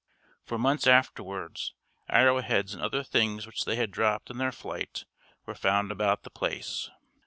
For months afterwards arrow heads and other things which they had dropped in their flight were found about the place.